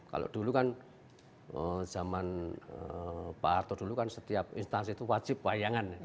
kalau dulu kan zaman pak harto dulu kan setiap instansi itu wajib wayangan